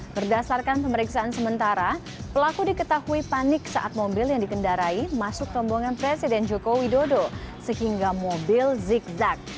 berdasarkan pemeriksaan sementara pelaku diketahui panik saat mobil yang dikendarai masuk rombongan presiden joko widodo sehingga mobil zigzag